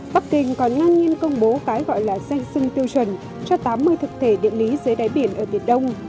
bắc kinh còn ngang nhiên công bố cái gọi là danh sưng tiêu chuẩn cho tám mươi thực thể điện lý dưới đáy biển ở biển đông